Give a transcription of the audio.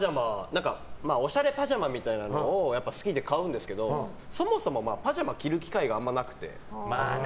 おしゃれパジャマみたいなのを好きで買うんですけどそもそも、パジャマを着る機会があんまなくて。